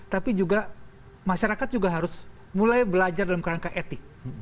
tapi juga masyarakat juga harus mulai belajar dalam kerangka etik